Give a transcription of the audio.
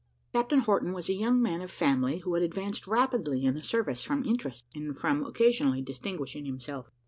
Captain Horton was a young man of family who had advanced rapidly in the service from interest, and from occasionally distinguishing himself.